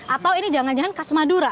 atau ini jangan jangan khas madura